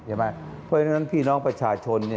เพราะฉะนั้นพี่น้องประชาชน